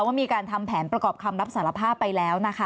ว่ามีการทำแผนประกอบคำรับสารภาพไปแล้วนะคะ